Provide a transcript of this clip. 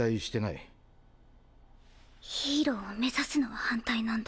ヒーローを目指すのは反対なんだ。